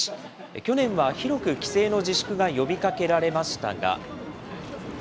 去年は広く帰省の自粛が呼びかけられましたが。